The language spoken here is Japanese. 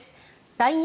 ＬＩＮＥ